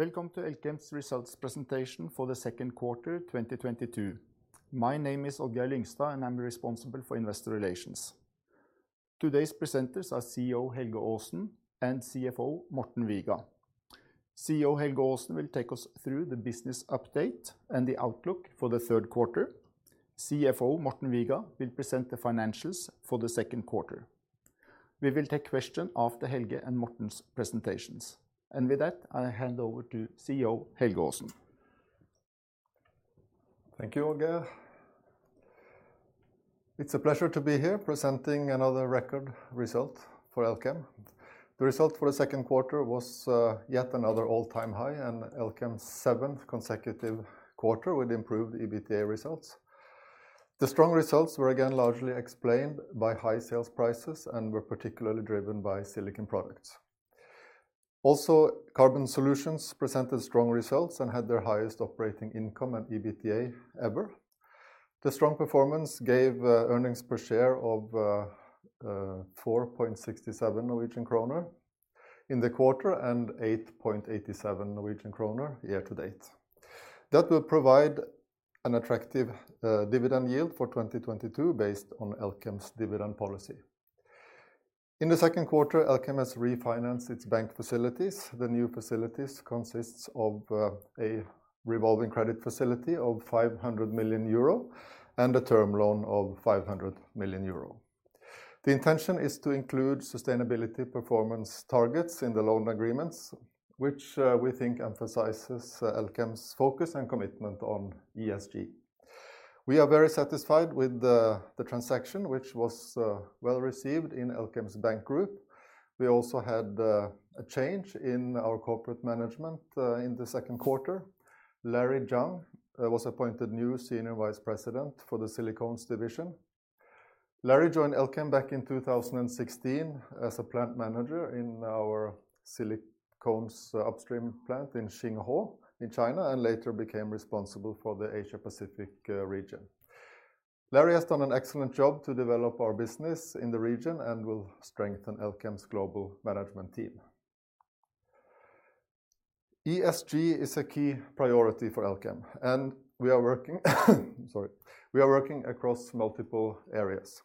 Welcome to Elkem's results presentation for the second quarter 2022. My name is Odd-Geir Lyngstad, and I'm responsible for investor relations. Today's presenters are CEO Helge Aasen and CFO Morten Viga. CEO Helge Aasen will take us through the business update and the outlook for the third quarter. CFO Morten Viga will present the financials for the second quarter. We will take questions after Helge and Morten's presentations. With that, I hand over to CEO Helge Aasen. Thank you, Odd-Geir Lyngstad. It's a pleasure to be here presenting another record result for Elkem. The result for the second quarter was yet another all-time high and Elkem's seventh consecutive quarter with improved EBITDA results. The strong results were again largely explained by high sales prices and were particularly driven by Silicon Products. Also, Carbon Solutions presented strong results and had their highest operating income and EBITDA ever. The strong performance gave earnings per share of 4.67 Norwegian kroner in the quarter and 8.87 Norwegian kroner year to date. That will provide an attractive dividend yield for 2022 based on Elkem's dividend policy. In the second quarter, Elkem has refinanced its bank facilities. The new facilities consists of a revolving credit facility of 500 million euro and a term loan of 500 million euro. The intention is to include sustainability performance targets in the loan agreements, which we think emphasizes Elkem's focus and commitment on ESG. We are very satisfied with the transaction which was well-received in Elkem's bank group. We also had a change in our corporate management in the second quarter. Larry Zhang was appointed new Senior Vice President for the Silicones division. Larry joined Elkem back in 2016 as a plant manager in our silicones upstream plant in Xinghuo in China and later became responsible for the Asia Pacific region. Larry has done an excellent job to develop our business in the region and will strengthen Elkem's global management team. ESG is a key priority for Elkem, and we are working across multiple areas.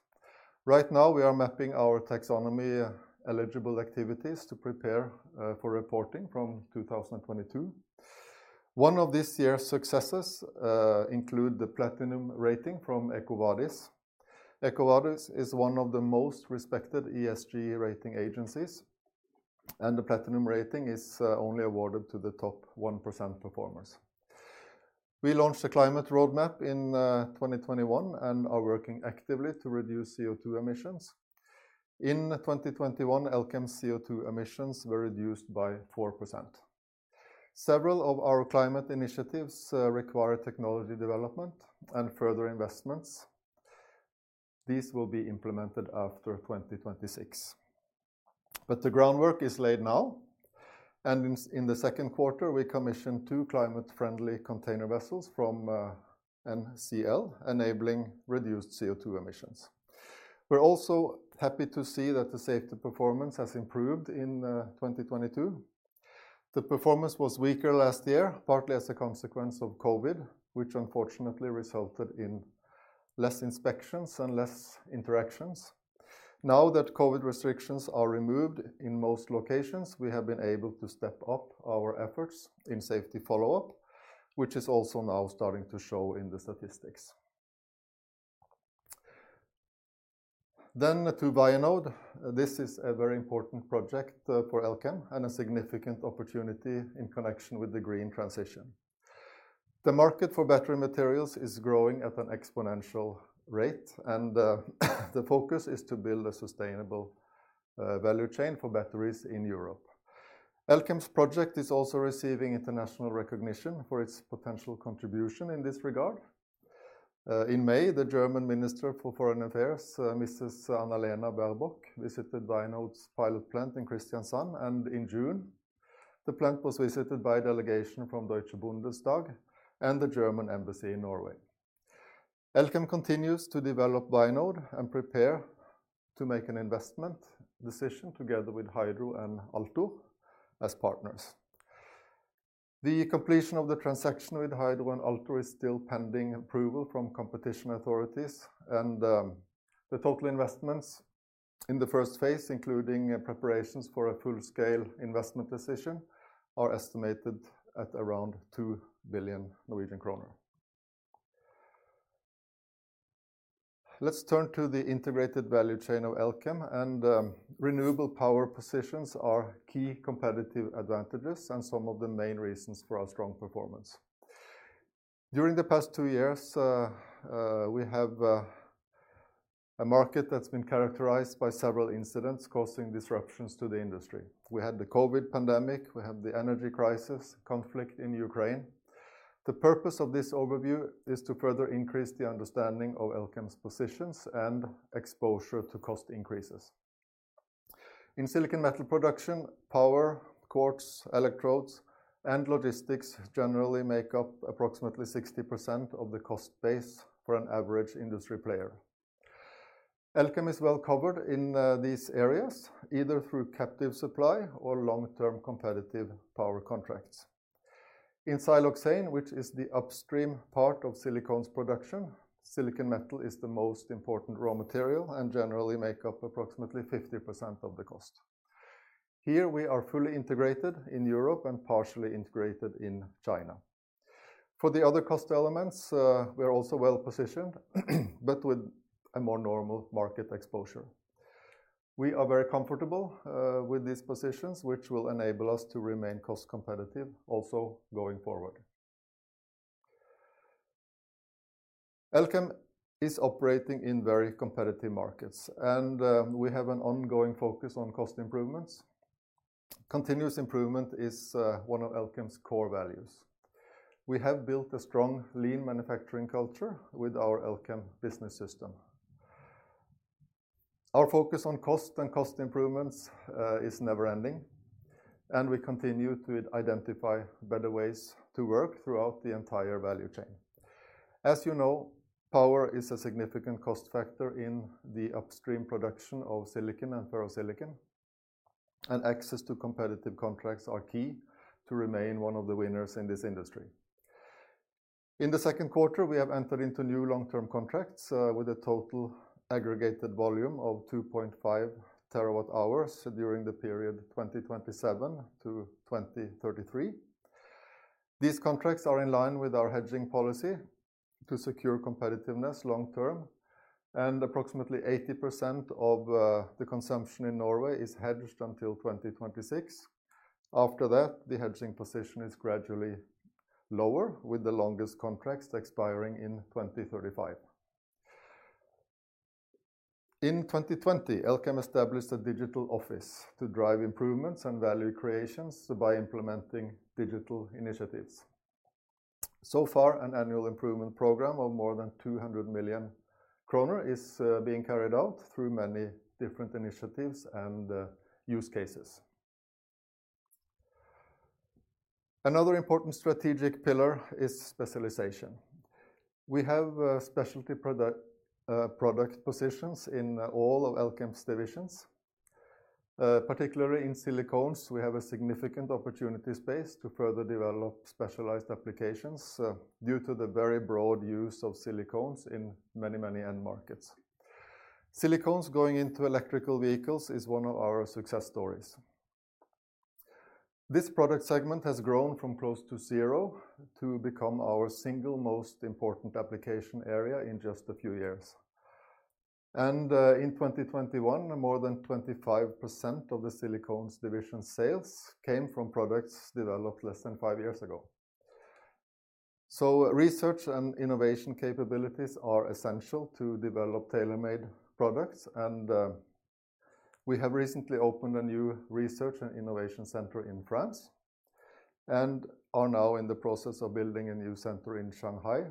Right now, we are mapping our taxonomy-eligible activities to prepare for reporting from 2022. One of this year's successes include the platinum rating from EcoVadis. EcoVadis is one of the most respected ESG rating agencies, and the platinum rating is only awarded to the top 1% performers. We launched a climate roadmap in 2021 and are working actively to reduce CO2 emissions. In 2021, Elkem's CO2 emissions were reduced by 4%. Several of our climate initiatives require technology development and further investments. These will be implemented after 2026. The groundwork is laid now, and in the second quarter, we commissioned two climate-friendly container vessels from NCL, enabling reduced CO2 emissions. We're also happy to see that the safety performance has improved in 2022. The performance was weaker last year, partly as a consequence of COVID, which unfortunately resulted in less inspections and less interactions. Now that COVID restrictions are removed in most locations, we have been able to step up our efforts in safety follow-up, which is also now starting to show in the statistics. To Vianode. This is a very important project, for Elkem and a significant opportunity in connection with the green transition. The market for battery materials is growing at an exponential rate, and, the focus is to build a sustainable, value chain for batteries in Europe. Elkem's project is also receiving international recognition for its potential contribution in this regard. In May, the German Minister for Foreign Affairs, Mrs. Annalena Baerbock visited Vianode's pilot plant in Kristiansand. In June, the plant was visited by a delegation from German Bundestag and the Embassy of the Federal Republic of Germany. Elkem continues to develop Vianode and prepare to make an investment decision together with Hydro and Altor as partners. The completion of the transaction with Hydro and Altor is still pending approval from competition authorities. The total investments in the first phase, including preparations for a full-scale investment decision, are estimated at around 2 billion Norwegian kroner. Let's turn to the integrated value chain of Elkem. Renewable power positions are key competitive advantages and some of the main reasons for our strong performance. During the past two years, we have a market that's been characterized by several incidents causing disruptions to the industry. We had the COVID pandemic, we had the energy crisis, conflict in Ukraine. The purpose of this overview is to further increase the understanding of Elkem's positions and exposure to cost increases. In silicon metal production, power, quartz, electrodes, and logistics generally make up approximately 60% of the cost base for an average industry player. Elkem is well covered in these areas, either through captive supply or long-term competitive power contracts. In siloxane, which is the upstream part of silicones production, silicon metal is the most important raw material and generally make up approximately 50% of the cost. Here, we are fully integrated in Europe and partially integrated in China. For the other cost elements, we're also well-positioned, but with a more normal market exposure. We are very comfortable with these positions, which will enable us to remain cost-competitive also going forward. Elkem is operating in very competitive markets, and we have an ongoing focus on cost improvements. Continuous improvement is one of Elkem's core values. We have built a strong lean manufacturing culture with our Elkem Business System. Our focus on cost and cost improvements is never-ending, and we continue to identify better ways to work throughout the entire value chain. As you know, power is a significant cost factor in the upstream production of silicon and ferrosilicon, and access to competitive contracts are key to remain one of the winners in this industry. In the second quarter, we have entered into new long-term contracts with a total aggregated volume of 2.5 terawatt-hours during the period 2027 to 2033. These contracts are in line with our hedging policy to secure competitiveness long term, and approximately 80% of the consumption in Norway is hedged until 2026. After that, the hedging position is gradually lower, with the longest contracts expiring in 2035. In 2020, Elkem established a digital office to drive improvements and value creations by implementing digital initiatives. So far, an annual improvement program of more than 200 million kroner is being carried out through many different initiatives and use cases. Another important strategic pillar is specialization. We have a specialty product positions in all of Elkem's divisions. Particularly in Silicones, we have a significant opportunity space to further develop specialized applications due to the very broad use of silicones in many, many end markets. Silicones going into electric vehicles is one of our success stories. This product segment has grown from close to zero to become our single most important application area in just a few years. In 2021, more than 25% of the Silicones division sales came from products developed less than five years ago. Research and innovation capabilities are essential to develop tailor-made products, and we have recently opened a new research and innovation center in France and are now in the process of building a new center in Shanghai.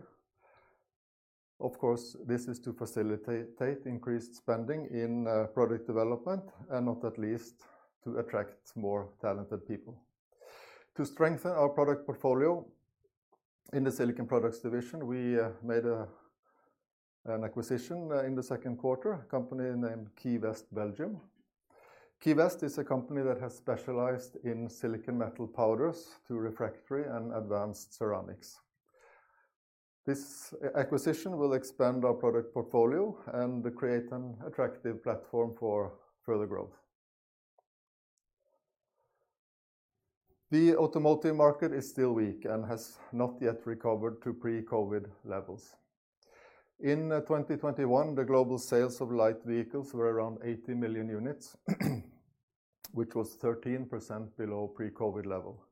Of course, this is to facilitate increased spending in product development, and not at least, to attract more talented people. To strengthen our product portfolio in the Silicon Products division, we made an acquisition in the second quarter, a company named Keyvest Belgium. KeyVest is a company that has specialized in silicon metal powders to refractory and advanced ceramics. This acquisition will expand our product portfolio and create an attractive platform for further growth. The automotive market is still weak and has not yet recovered to pre-COVID levels. In 2021, the global sales of light vehicles were around 80 million units, which was 13% below pre-COVID level.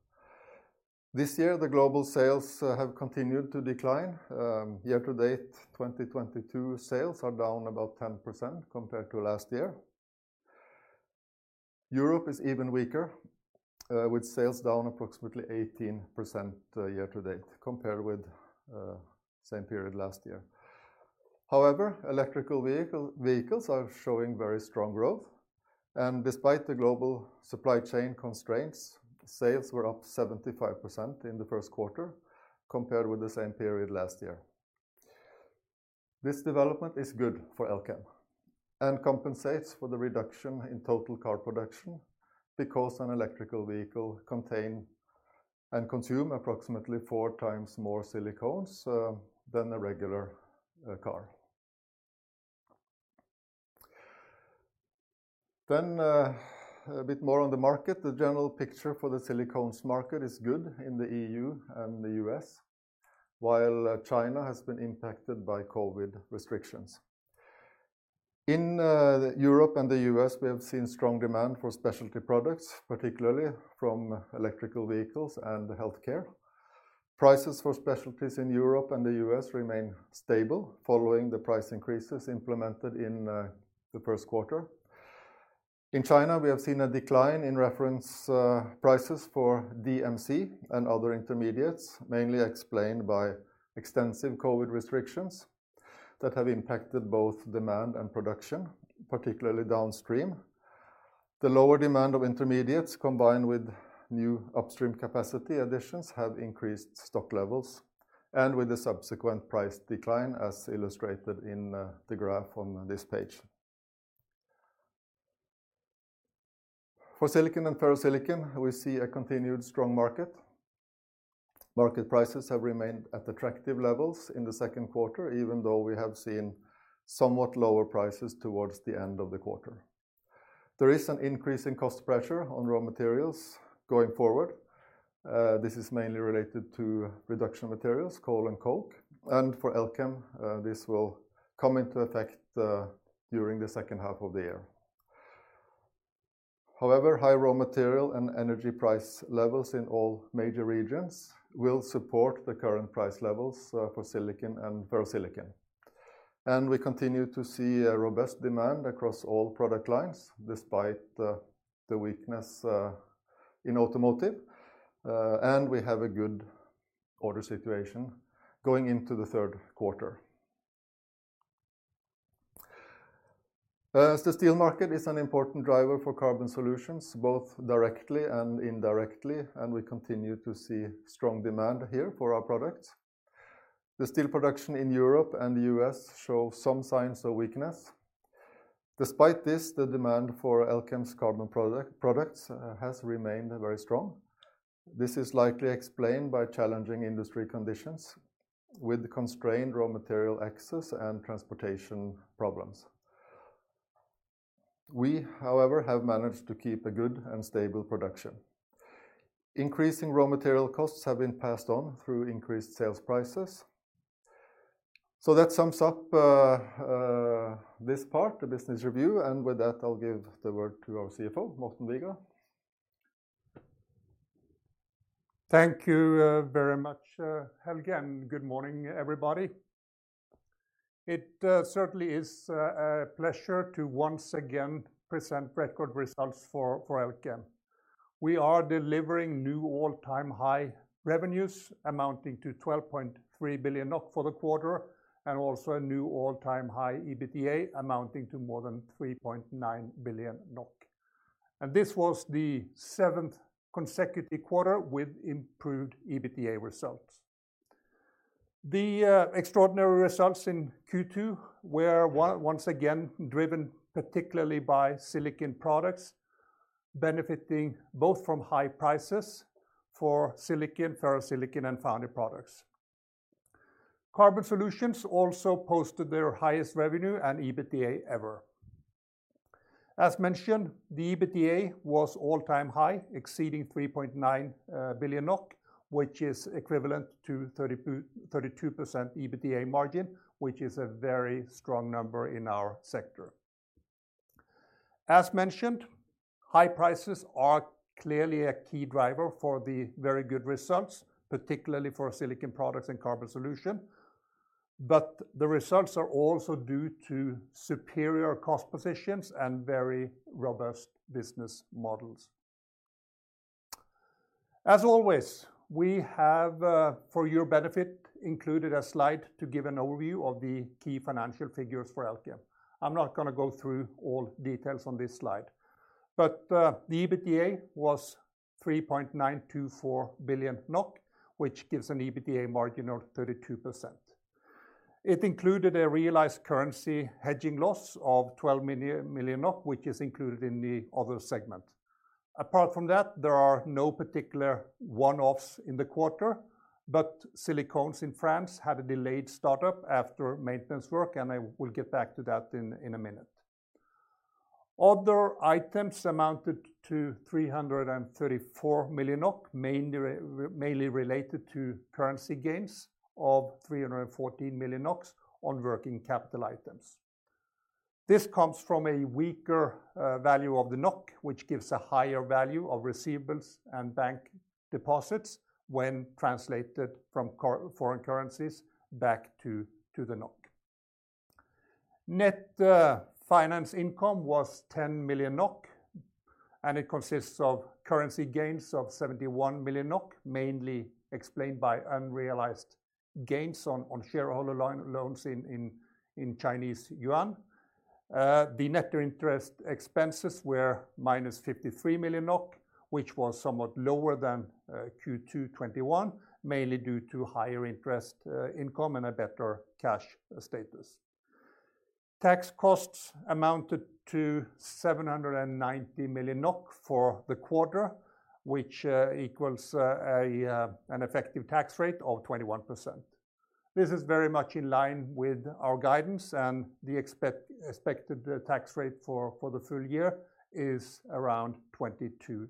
This year, the global sales have continued to decline. Year to date, 2022 sales are down about 10% compared to last year. Europe is even weaker with sales down approximately 18% year to date compared with same period last year. However, electrical vehicles are showing very strong growth, and despite the global supply chain constraints, sales were up 75% in the first quarter compared with the same period last year. This development is good for Elkem and compensates for the reduction in total car production because an electrical vehicle contain and consume approximately four times more silicones than a regular car. A bit more on the market. The general picture for the silicones market is good in the EU and the U.S., while China has been impacted by COVID restrictions. In Europe and the US, we have seen strong demand for specialty products, particularly from electric vehicles and healthcare. Prices for specialties in Europe and the US remain stable following the price increases implemented in the first quarter. In China, we have seen a decline in reference prices for DMC and other intermediates, mainly explained by extensive COVID restrictions that have impacted both demand and production, particularly downstream. The lower demand of intermediates combined with new upstream capacity additions have increased stock levels and with the subsequent price decline, as illustrated in the graph on this page. For silicon and ferrosilicon, we see a continued strong market. Market prices have remained at attractive levels in the second quarter, even though we have seen somewhat lower prices towards the end of the quarter. There is an increase in cost pressure on raw materials going forward. This is mainly related to reduction materials, coal and coke. For Elkem, this will come into effect during the second half of the year. However, high raw material and energy price levels in all major regions will support the current price levels for silicon and Ferrosilicon. We continue to see a robust demand across all product lines despite the weakness in automotive. We have a good order situation going into the third quarter. The steel market is an important driver for Carbon Solutions, both directly and indirectly, and we continue to see strong demand here for our products. The steel production in Europe and U.S. show some signs of weakness. Despite this, the demand for Elkem's carbon products has remained very strong. This is likely explained by challenging industry conditions with constrained raw material access and transportation problems. We, however, have managed to keep a good and stable production. Increasing raw material costs have been passed on through increased sales prices. That sums up this part, the business review. With that, I'll give the word to our CFO, Morten Viga. Thank you, very much, Helge, and good morning, everybody. It certainly is a pleasure to once again present record results for Elkem. We are delivering new all-time high revenues amounting to 12.3 billion NOK for the quarter, and also a new all-time high EBITDA amounting to more than 3.9 billion NOK. This was the seventh consecutive quarter with improved EBITDA results. The extraordinary results in Q2 were once again driven particularly by silicon products, benefiting both from high prices for silicon, ferrosilicon and foundry products. Carbon Solutions also posted their highest revenue and EBITDA ever. As mentioned, the EBITDA was all-time high, exceeding 3.9 billion NOK, which is equivalent to 32% EBITDA margin, which is a very strong number in our sector. As mentioned, high prices are clearly a key driver for the very good results, particularly for Silicon Products and Carbon Solutions. The results are also due to superior cost positions and very robust business models. As always, we have for your benefit included a slide to give an overview of the key financial figures for Elkem. I'm not gonna go through all details on this slide. The EBITDA was 3.924 billion NOK, which gives an EBITDA margin of 32%. It included a realized currency hedging loss of 12 million, which is included in the other segment. Apart from that, there are no particular one-offs in the quarter, but Silicones in France had a delayed startup after maintenance work, and I will get back to that in a minute. Other items amounted to 334 million, mainly related to currency gains of 314 million on working capital items. This comes from a weaker value of the NOK, which gives a higher value of receivables and bank deposits when translated from foreign currencies back to the NOK. Net finance income was 10 million NOK, and it consists of currency gains of 71 million NOK, mainly explained by unrealized gains on shareholder loans in Chinese yuan. The net interest expenses were -53 million NOK, which was somewhat lower than Q2 2021, mainly due to higher interest income and a better cash status. Tax costs amounted to 790 million NOK for the quarter, which equals an effective tax rate of 21%. This is very much in line with our guidance and the expected tax rate for the full year is around 22%.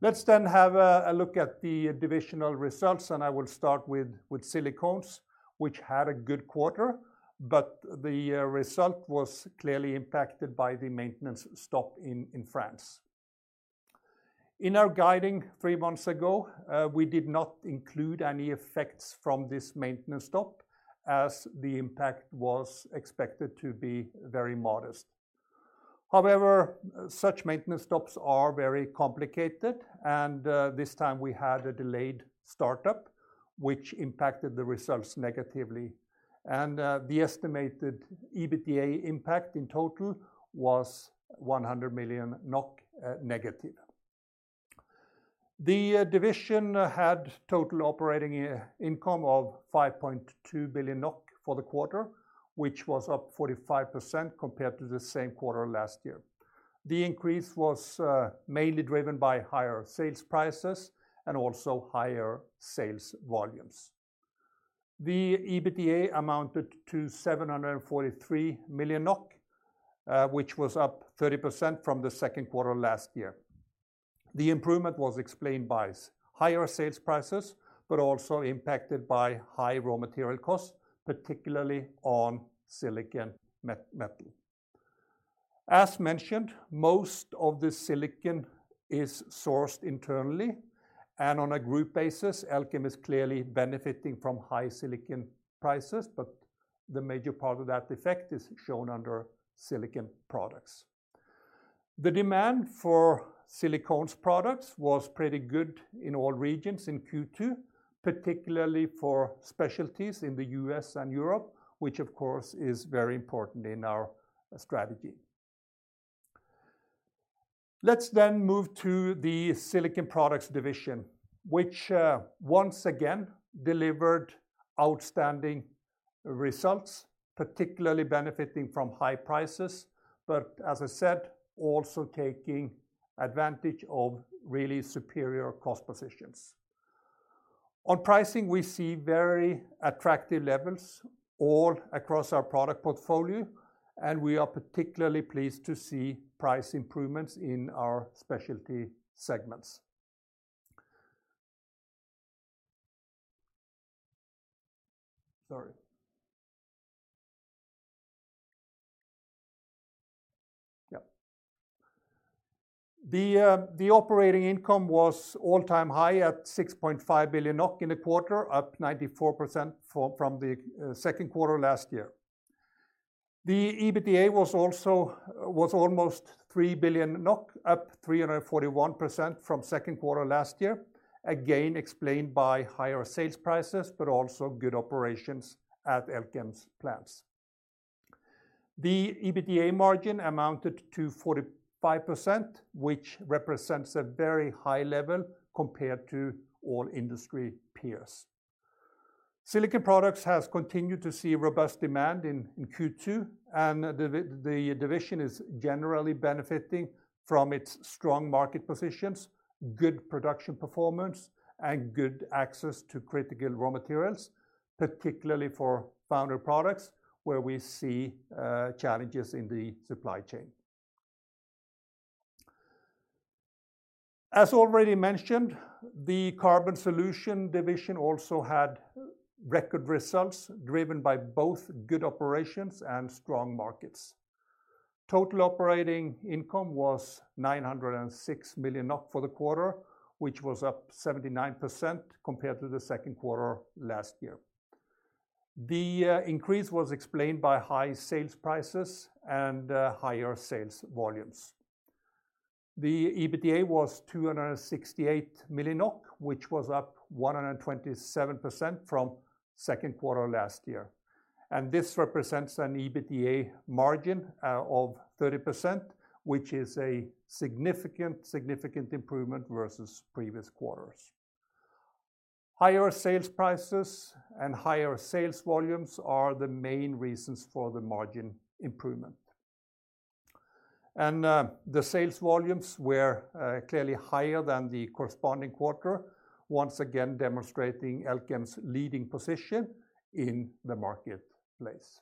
Let's have a look at the divisional results, and I will start with Silicones, which had a good quarter, but the result was clearly impacted by the maintenance stop in France. In our guidance three months ago, we did not include any effects from this maintenance stop as the impact was expected to be very modest. However, such maintenance stops are very complicated, and this time we had a delayed startup which impacted the results negatively. The estimated EBITDA impact in total was 100 million NOK negative. The division had total operating revenue of 5.2 billion NOK for the quarter, which was up 45% compared to the same quarter last year. The increase was mainly driven by higher sales prices and also higher sales volumes. The EBITDA amounted to 743 million NOK, which was up 30% from the second quarter last year. The improvement was explained by higher sales prices, but also impacted by high raw material costs, particularly on silicon metal. As mentioned, most of the silicon is sourced internally, and on a group basis, Elkem is clearly benefiting from high silicon prices, but the major part of that effect is shown under Silicon Products. The demand for silicones products was pretty good in all regions in Q2, particularly for specialties in the U.S. and Europe, which of course is very important in our strategy. Let's move to the Silicon Products division, which once again delivered outstanding results, particularly benefiting from high prices, but as I said, also taking advantage of really superior cost positions. On pricing, we see very attractive levels all across our product portfolio, and we are particularly pleased to see price improvements in our specialty segments. Sorry. Yep. The operating income was all-time high at 6.5 billion NOK in the quarter, up 94% from the second quarter last year. The EBITDA was almost 3 billion NOK, up 341% from second quarter last year, again explained by higher sales prices, but also good operations at Elkem's plants. The EBITDA margin amounted to 45%, which represents a very high level compared to all industry peers. Silicon Products has continued to see robust demand in Q2, and the division is generally benefiting from its strong market positions, good production performance, and good access to critical raw materials, particularly for foundry products, where we see challenges in the supply chain. As already mentioned, the Carbon Solutions division also had record results driven by both good operations and strong markets. Total operating income was 906 million NOK for the quarter, which was up 79% compared to the second quarter last year. The increase was explained by high sales prices and higher sales volumes. The EBITDA was 268 million, which was up 127% from second quarter last year. This represents an EBITDA margin of 30%, which is a significant improvement versus previous quarters. Higher sales prices and higher sales volumes are the main reasons for the margin improvement. The sales volumes were clearly higher than the corresponding quarter, once again demonstrating Elkem's leading position in the marketplace.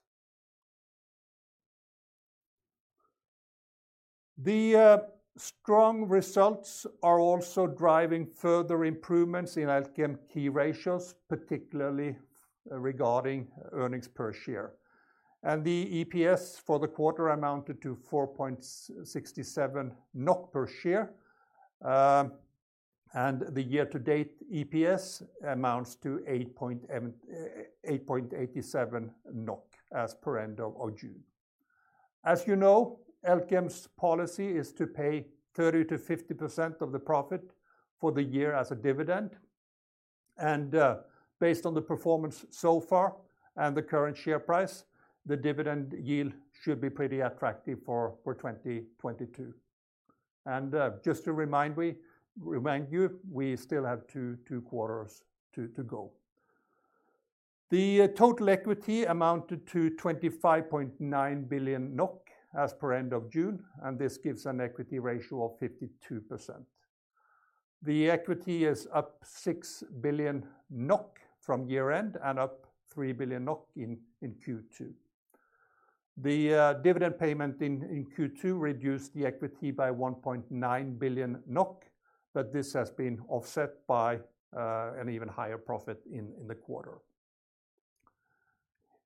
The strong results are also driving further improvements in Elkem key ratios, particularly regarding earnings per share. The EPS for the quarter amounted to 4.67 NOK per share, and the year-to-date EPS amounts to 8.87 NOK as per end of June. As you know, Elkem's policy is to pay 30%-50% of the profit for the year as a dividend, and based on the performance so far and the current share price, the dividend yield should be pretty attractive for 2022. Just to remind you, we still have two quarters to go. Total equity amounted to 25.9 billion NOK as per end of June, and this gives an equity ratio of 52%. The equity is up 6 billion NOK from year-end and up 3 billion NOK in Q2. The dividend payment in Q2 reduced the equity by 1.9 billion NOK, but this has been offset by an even higher profit in the quarter.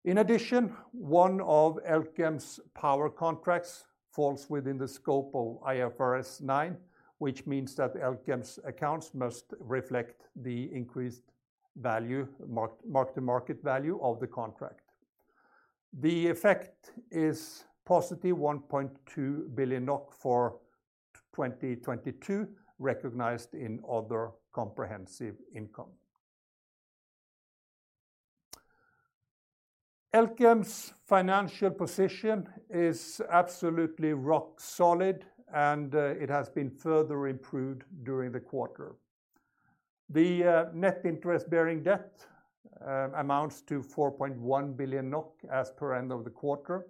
In addition, one of Elkem's power contracts falls within the scope of IFRS 9, which means that Elkem's accounts must reflect the increased value mark-to-market value of the contract. The effect is positive 1.2 billion NOK for 2022, recognized in other comprehensive income. Elkem's financial position is absolutely rock solid, and it has been further improved during the quarter. The net interest-bearing debt amounts to 4.1 billion NOK as per end of the quarter.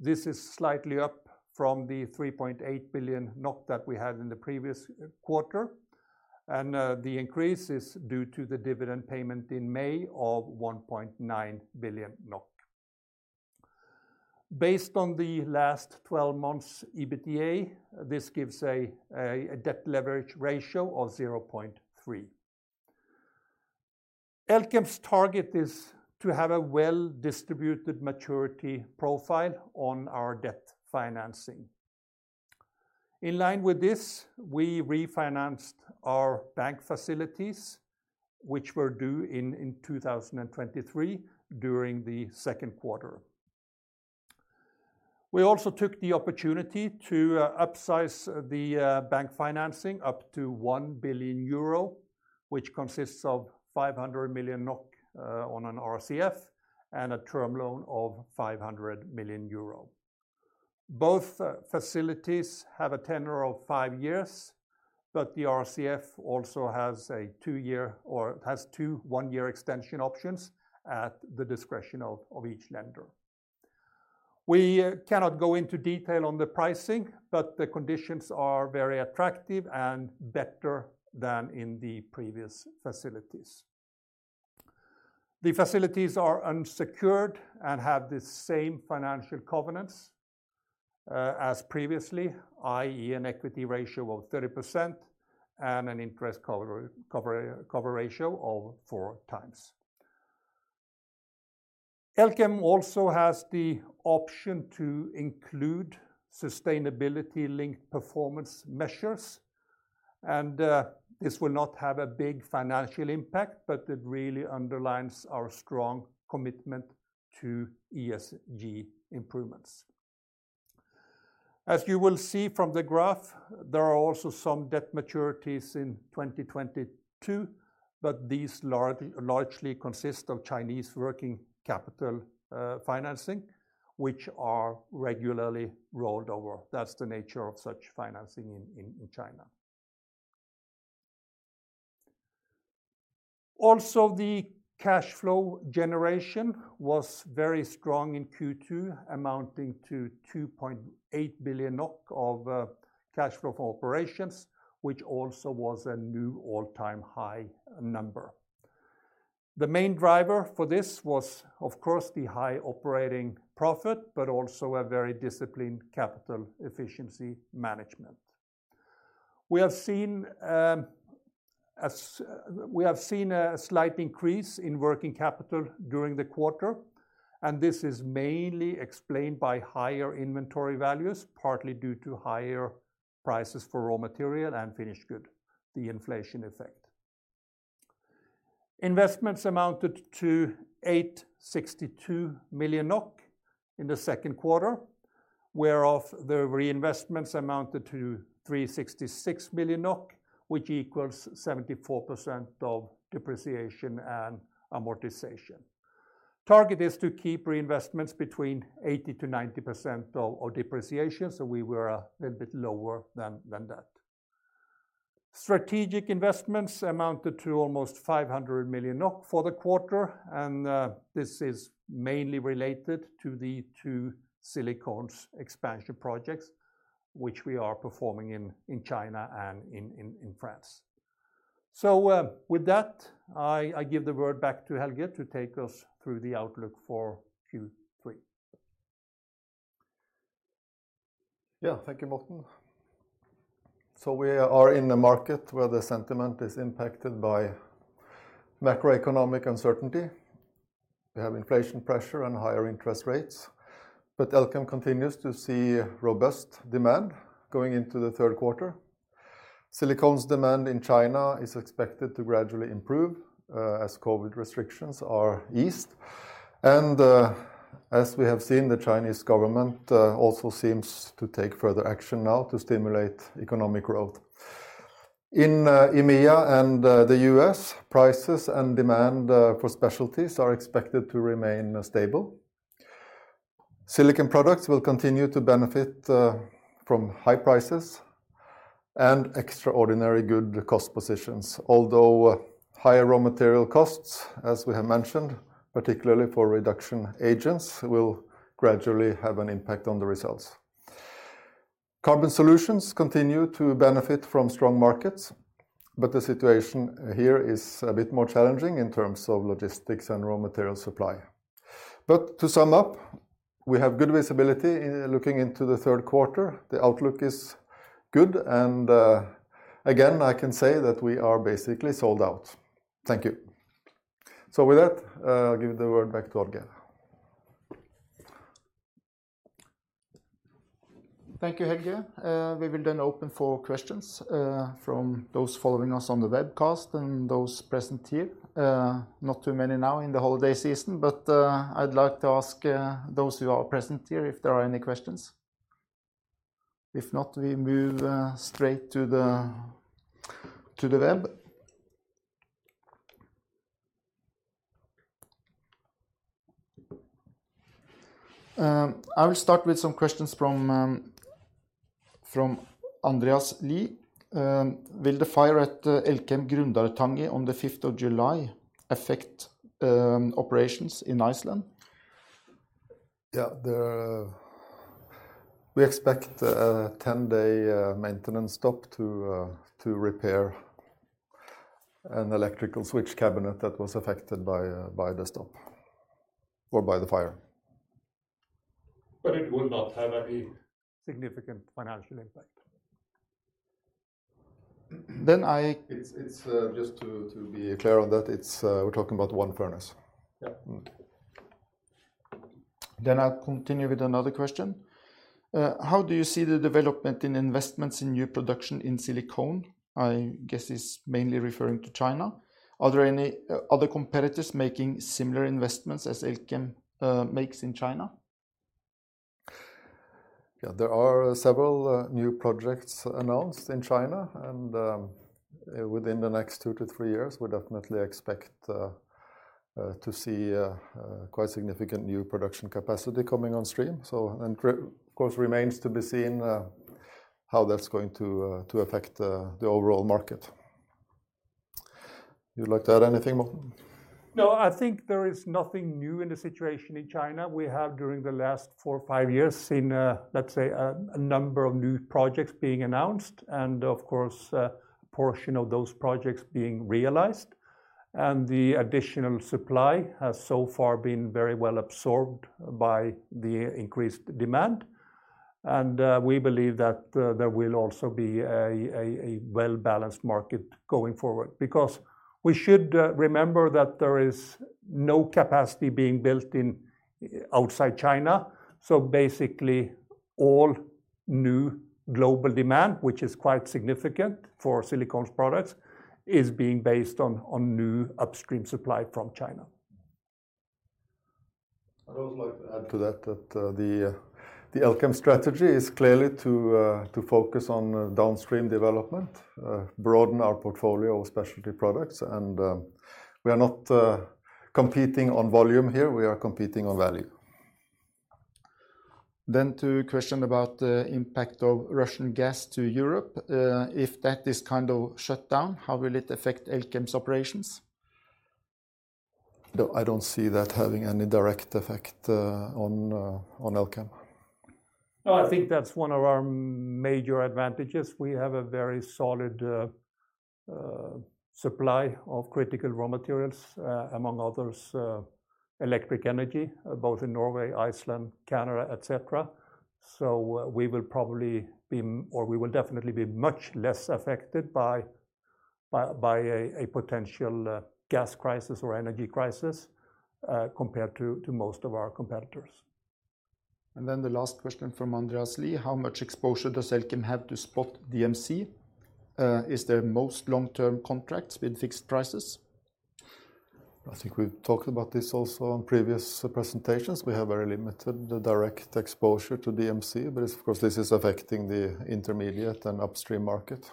This is slightly up from the 3.8 billion NOK that we had in the previous quarter, and the increase is due to the dividend payment in May of 1.9 billion NOK. Based on the last twelve months EBITDA, this gives a debt leverage ratio of 0.3. Elkem's target is to have a well-distributed maturity profile on our debt financing. In line with this, we refinanced our bank facilities, which were due in 2023 during the second quarter. We also took the opportunity to upsize the bank financing up to 1 billion euro, which consists of 500 million NOK on an RCF and a term loan of 500 million euro. Both facilities have a tenure of five years, but the RCF also has two one year extension options at the discretion of each lender. We cannot go into detail on the pricing, but the conditions are very attractive and better than in the previous facilities. The facilities are unsecured and have the same financial covenants as previously, i.e., an equity ratio of 30% and an interest cover ratio of four times. Elkem also has the option to include sustainability-linked performance measures, and this will not have a big financial impact, but it really underlines our strong commitment to ESG improvements. As you will see from the graph, there are also some debt maturities in 2022, but these largely consist of Chinese working capital financing, which are regularly rolled over. That's the nature of such financing in China. Also, the cash flow generation was very strong in Q2, amounting to 2.8 billion NOK of cash flow from operations, which also was a new all-time high number. The main driver for this was, of course, the high operating profit, but also a very disciplined capital efficiency management. We have seen a slight increase in working capital during the quarter, and this is mainly explained by higher inventory values, partly due to higher prices for raw material and finished good, the inflation effect. Investments amounted to 862 million NOK in the second quarter, whereof the reinvestments amounted to 366 million NOK, which equals 74% of depreciation and amortization. Target is to keep reinvestments between 80%-90% of depreciation, so we were a little bit lower than that. Strategic investments amounted to almost 500 million NOK for the quarter, and this is mainly related to the two Silicones expansion projects, which we are performing in China and in France. With that, I give the word back to Helge to take us through the outlook for Q3. Yeah. Thank you, Morten. We are in a market where the sentiment is impacted by macroeconomic uncertainty. We have inflation pressure and higher interest rates, but Elkem continues to see robust demand going into the third quarter. Silicones demand in China is expected to gradually improve, as COVID restrictions are eased. As we have seen, the Chinese government also seems to take further action now to stimulate economic growth. In EMEA and the US, prices and demand for specialties are expected to remain stable. Silicon products will continue to benefit from high prices and extraordinary good cost positions. Although higher raw material costs, as we have mentioned, particularly for reduction agents, will gradually have an impact on the results. Carbon Solutions continue to benefit from strong markets, but the situation here is a bit more challenging in terms of logistics and raw material supply. To sum up, we have good visibility looking into the third quarter, the outlook is good, and again, I can say that we are basically sold out. Thank you. With that, I'll give the word back to Odd-Geir. Thank you, Helge. We will then open for questions from those following us on the webcast and those present here. Not too many now in the holiday season, but I'd like to ask those who are present here if there are any questions. If not, we move straight to the web. I will start with some questions from Andreas Lea. Will the fire at Elkem Grundartangi on the fifth of July affect operations in Iceland? We expect a 10 day maintenance stop to repair an electrical switch cabinet that was affected by the storm or by the fire. It will not have any significant financial impact. Then I- It's just to be clear on that, it's we're talking about one furnace. I'll continue with another question. How do you see the development in investments in new production in silicones? I guess it's mainly referring to China. Are there any other competitors making similar investments as Elkem makes in China? Yeah. There are several new projects announced in China, and within the next two to three years, we definitely expect to see quite significant new production capacity coming on stream. Of course, remains to be seen how that's going to affect the overall market. You'd like to add anything more? No, I think there is nothing new in the situation in China. We have, during the last four or five years, seen, let's say, a number of new projects being announced and, of course, a portion of those projects being realized. The additional supply has so far been very well absorbed by the increased demand, and we believe that there will also be a well-balanced market going forward. We should remember that there is no capacity being built outside China, so basically all new global demand, which is quite significant for silicones products, is being based on new upstream supply from China. I'd also like to add to that, the Elkem strategy is clearly to focus on downstream development, broaden our portfolio of specialty products and we are not competing on volume here, we are competing on value. The question about the impact of Russian gas to Europe. If that is kind of shut down, how will it affect Elkem's operations? No, I don't see that having any direct effect on Elkem. No, I think that's one of our major advantages. We have a very solid supply of critical raw materials, among others, electric energy, both in Norway, Iceland, Canada, et cetera. We will probably be or we will definitely be much less affected by a potential gas crisis or energy crisis, compared to most of our competitors. The last question from Andreas Lee. How much exposure does Elkem have to spot DMC? Are there mostly long-term contracts with fixed prices? I think we've talked about this also on previous presentations. We have very limited direct exposure to DMC, but of course, this is affecting the intermediate and upstream market.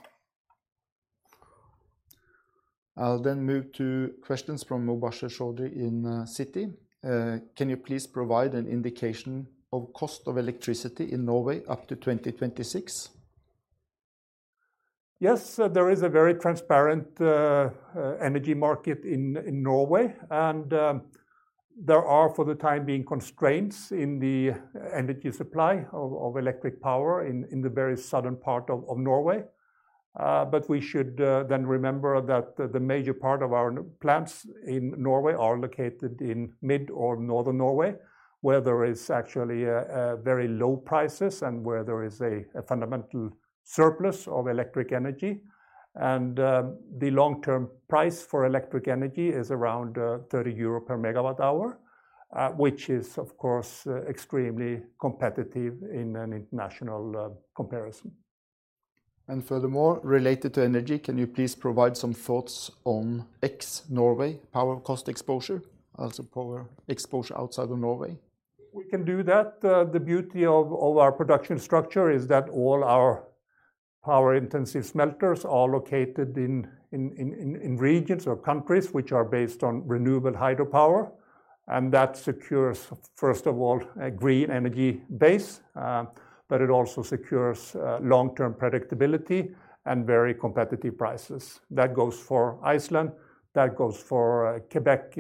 I'll then move to questions from Mubasher Chaudhry in Citi. Can you please provide an indication of cost of electricity in Norway up to 2026? Yes. There is a very transparent energy market in Norway, and there are, for the time being, constraints in the energy supply of electric power in the very southern part of Norway. But we should then remember that the major part of our plants in Norway are located in mid or northern Norway, where there is actually very low prices and where there is a fundamental surplus of electric energy. The long-term price for electric energy is around 30 euro per megawatt hour, which is, of course, extremely competitive in an international comparison. Furthermore, related to energy, can you please provide some thoughts on ex-Norway power cost exposure, also power exposure outside of Norway? We can do that. The beauty of our production structure is that all our power intensive smelters are located in regions or countries which are based on renewable hydropower, and that secures, first of all, a green energy base, but it also secures long-term predictability and very competitive prices. That goes for Iceland, that goes for Quebec,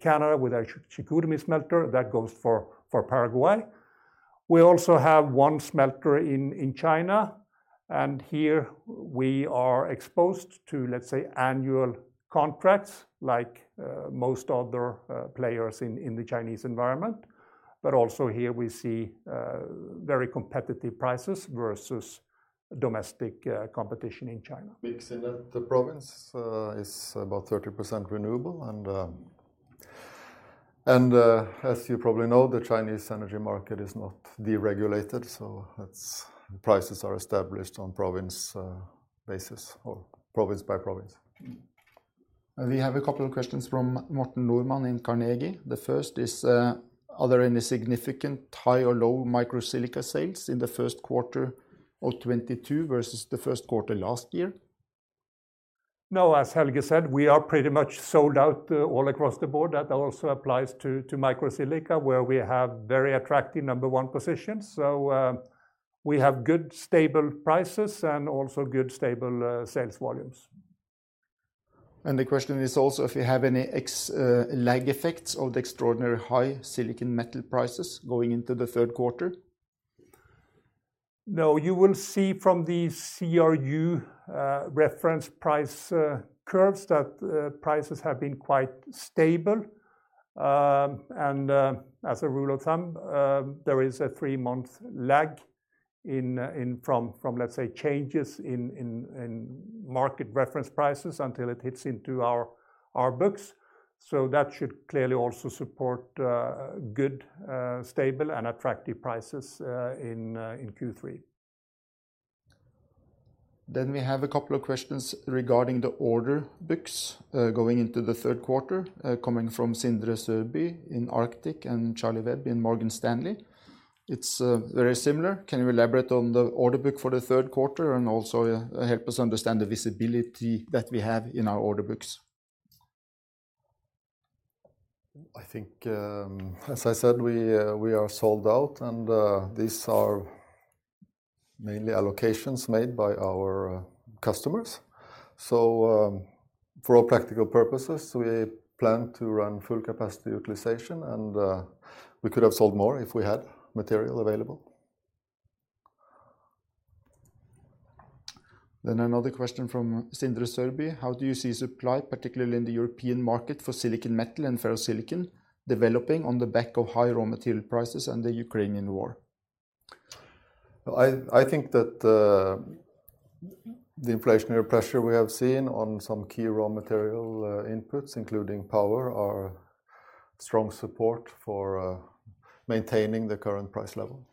Canada with our Chicoutimi smelter, that goes for Paraguay. We also have one smelter in China, and here we are exposed to, let's say, annual contracts like most other players in the Chinese environment. But also here, we see very competitive prices versus domestic competition in China. mix in that province is about 30% renewable and, as you probably know, the Chinese energy market is not deregulated, so prices are established on a province basis or province by province. We have a couple of questions from Martin Normann in Carnegie. The first is, are there any significant high or low microsilica sales in the first quarter of 2022 versus the first quarter last year? No. As Helge said, we are pretty much sold out all across the board. That also applies to Microsilica, where we have very attractive number one position. We have good stable prices and also good stable sales volumes. The question is also if you have any lag effects of the extraordinary high silicon metal prices going into the third quarter? No. You will see from the CRU reference price curves that prices have been quite stable. As a rule of thumb, there is a three-month lag from, let's say, changes in market reference prices until it hits into our books. That should clearly also support good, stable and attractive prices in Q3. We have a couple of questions regarding the order books, going into the third quarter, coming from Sindre Sørbye in Arctic and Charlie Webb in Morgan Stanley. It's very similar. Can you elaborate on the order book for the third quarter and also help us understand the visibility that we have in our order books? I think, as I said, we are sold out, and these are mainly allocations made by our customers. For all practical purposes, we plan to run full capacity utilization, and we could have sold more if we had material available. Another question from Sindre Sørbye. How do you see supply, particularly in the European market for silicon metal and ferrosilicon, developing on the back of high raw material prices and the Ukrainian war? I think that the inflationary pressure we have seen on some key raw material inputs, including power, are strong support for maintaining the current price level.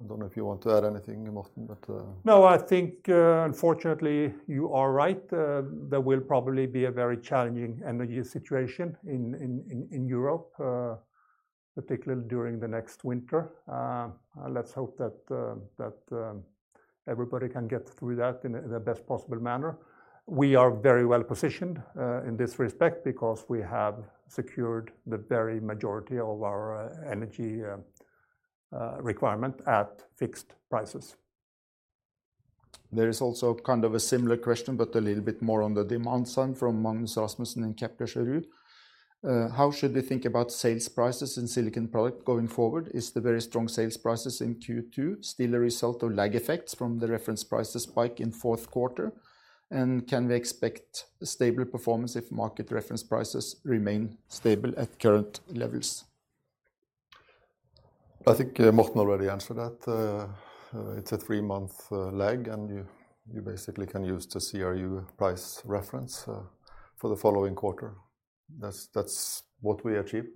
I don't know if you want to add anything, Morten, but. No, I think, unfortunately you are right. There will probably be a very challenging energy situation in Europe, particularly during the next winter. Let's hope that everybody can get through that in the best possible manner. We are very well positioned in this respect because we have secured the vast majority of our energy requirement at fixed prices. There is also kind of a similar question, but a little bit more on the demand side from Magnus Rasmussen in Kepler Cheuvreux. How should we think about sales prices in Silicon Products going forward? Is the very strong sales prices in Q2 still a result of lag effects from the reference price spike in fourth quarter? And can we expect a stable performance if market reference prices remain stable at current levels? I think Morten already answered that. It's a three month lag, and you basically can use the CRU price reference for the following quarter. That's what we achieve.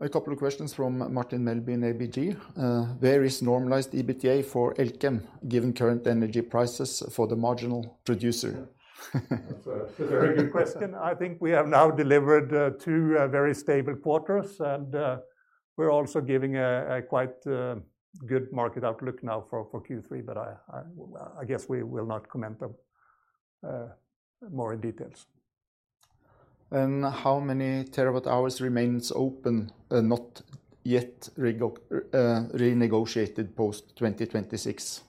A couple of questions from Martin Melbye in ABG. Where is normalized EBITDA for Elkem, given current energy prices for the marginal producer? That's a very good question. I think we have now delivered two very stable quarters, and we're also giving a quite good market outlook now for Q3. I guess we will not comment more in detail. How many terawatt-hours remains open, not yet renegotiated post-2026?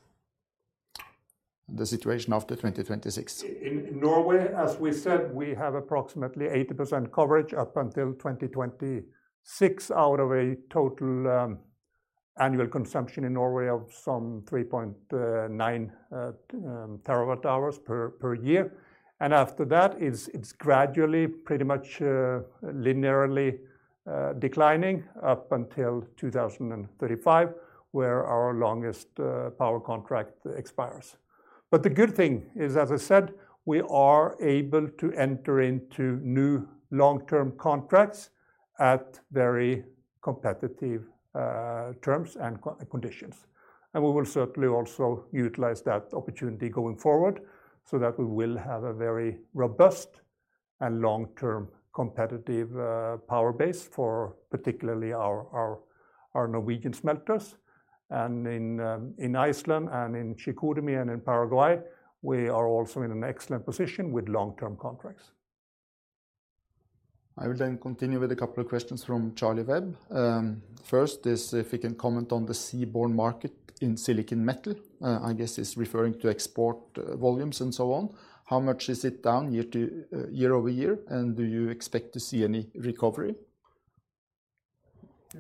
The situation after 2026. In Norway, as we said, we have approximately 80% coverage up until 2026, out of a total annual consumption in Norway of some 3.9 terawatt-hours per year. After that, it's gradually pretty much linearly declining up until 2035, where our longest power contract expires. The good thing is, as I said, we are able to enter into new long-term contracts at very competitive terms and conditions. We will certainly also utilize that opportunity going forward so that we will have a very robust and long-term competitive power base for particularly our Norwegian smelters. In Iceland and in Chicoutimi and in Paraguay, we are also in an excellent position with long-term contracts. I will continue with a couple of questions from Charlie Webb. First is if you can comment on the seaborne market in silicon metal. I guess it's referring to export volumes and so on. How much is it down year-over-year, and do you expect to see any recovery?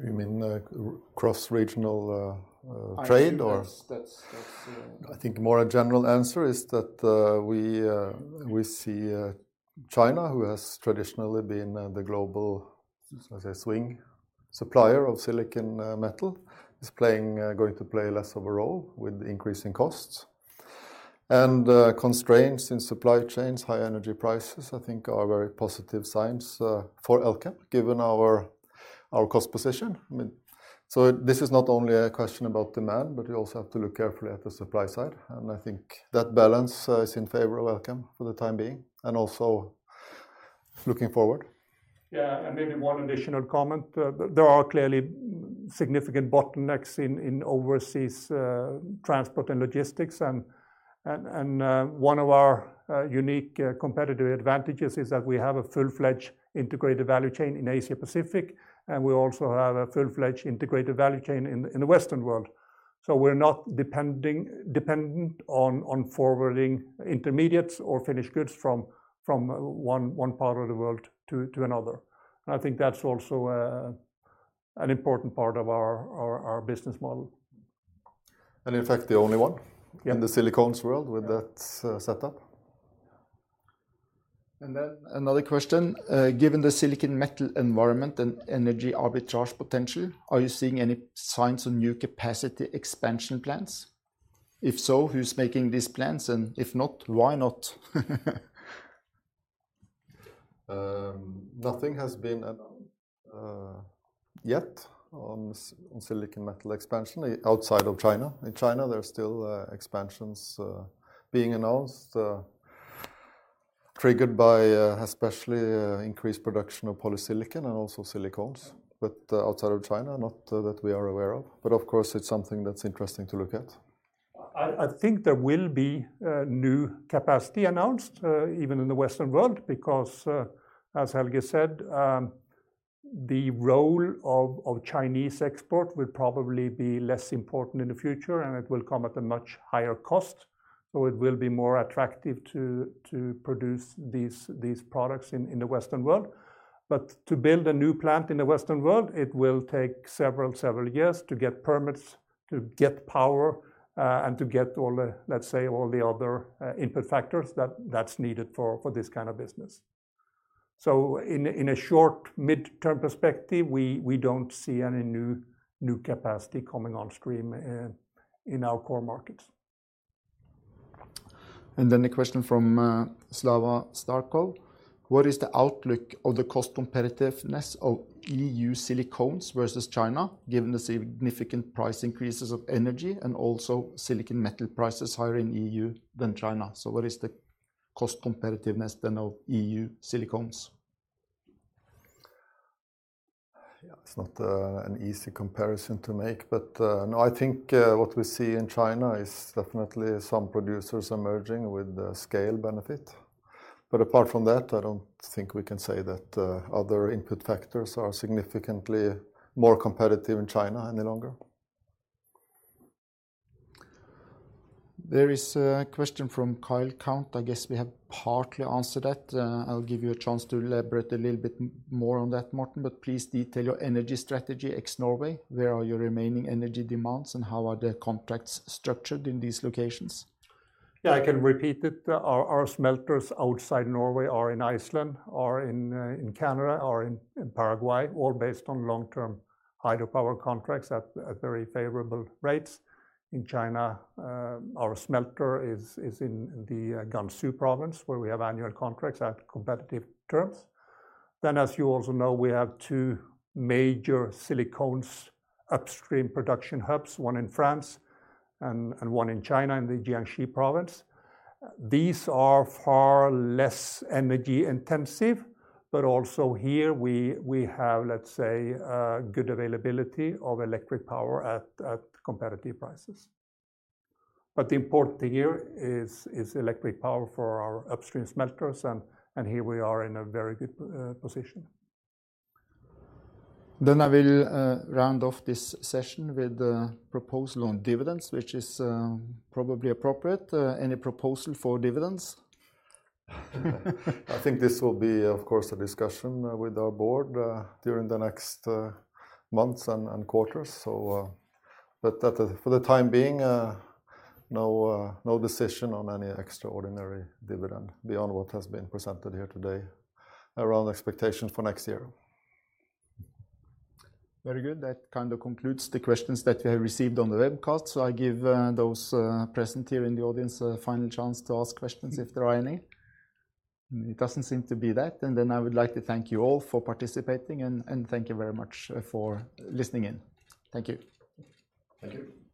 You mean, cross-regional, trade or? I think that's. I think more a general answer is that we see China, who has traditionally been the global, let's say, swing supplier of silicon metal, is going to play less of a role with the increasing costs. Constraints in supply chains, high energy prices, I think are very positive signs for Elkem, given our cost position. I mean, so this is not only a question about demand, but we also have to look carefully at the supply side. I think that balance is in favor of Elkem for the time being and also looking forward. Yeah. Maybe one additional comment. There are clearly significant bottlenecks in overseas transport and logistics. One of our unique competitive advantages is that we have a full-fledged integrated value chain in Asia-Pacific, and we also have a full-fledged integrated value chain in the Western world. We're not dependent on forwarding intermediates or finished goods from one part of the world to another. I think that's also an important part of our business model. In fact, the only one. Yeah in the Silicones world with that setup. Another question. Given the silicon metal environment and energy arbitrage potential, are you seeing any signs of new capacity expansion plans? If so, who's making these plans, and if not, why not? Nothing has been announced yet on silicon metal expansion outside of China. In China, there are still expansions being announced, triggered by especially increased production of polysilicon and also silicones. Outside of China, not that we are aware of. Of course, it's something that's interesting to look at. I think there will be new capacity announced even in the Western world, because as Helge said, the role of Chinese export will probably be less important in the future, and it will come at a much higher cost. It will be more attractive to produce these products in the Western world. To build a new plant in the Western world, it will take several years to get permits, to get power, and to get all the, let's say, all the other input factors that's needed for this kind of business. In a short mid-term perspective, we don't see any new capacity coming on stream in our core markets. A question from Slava Starkov. What is the outlook of the cost competitiveness of EU silicones versus China, given the significant price increases of energy and also silicon metal prices higher in EU than China? What is the cost competitiveness then of EU silicones? Yeah, it's not an easy comparison to make. No, I think what we see in China is definitely some producers emerging with the scale benefit. Apart from that, I don't think we can say that other input factors are significantly more competitive in China any longer. There is a question from Kyle Count. I guess we have partly answered that. I'll give you a chance to elaborate a little bit more on that, Morten, but please detail your energy strategy ex-Norway. Where are your remaining energy demands, and how are the contracts structured in these locations? Yeah, I can repeat it. Our smelters outside Norway are in Iceland, in Canada, or in Paraguay, all based on long-term hydropower contracts at very favorable rates. In China, our smelter is in the Gansu Province, where we have annual contracts at competitive terms. As you also know, we have two major Silicones upstream production hubs, one in France and one in China, in the Jiangxi Province. These are far less energy intensive, but also here we have, let's say, good availability of electric power at competitive prices. The important thing here is electric power for our upstream smelters, and here we are in a very good position. I will round off this session with the proposal on dividends, which is probably appropriate. Any proposal for dividends? I think this will be, of course, a discussion with our board during the next months and quarters. For the time being, no decision on any extraordinary dividend beyond what has been presented here today around expectations for next year. Very good. That kind of concludes the questions that we have received on the webcast. I give those present here in the audience a final chance to ask questions, if there are any. It doesn't seem to be that. Then I would like to thank you all for participating and thank you very much for listening in. Thank you. Thank you.